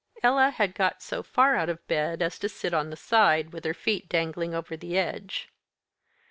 Ella had got so far out of bed as to sit on the side, with her feet dangling over the edge.